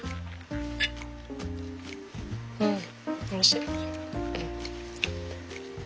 うんおいしい！